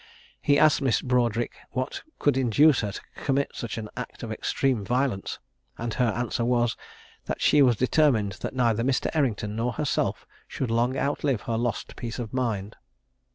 He asked Miss Broadric what could induce her to commit such an act of extreme violence, and her answer was, "That she was determined that neither Mr. Errington nor herself should long outlive her lost peace of mind!"